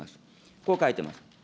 こう書いてます。